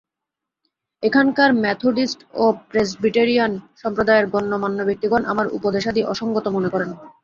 এখানকার মেথডিষ্ট ও প্রেসবিটেরিয়ান সম্প্রদায়ের গণ্যমান্য ব্যক্তিগণ আমার উপদেশাদি অসঙ্গত মনে করেন।